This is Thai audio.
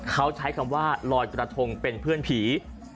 เขาใช้คำว่าลอยกระทงเป็นเพื่อนผี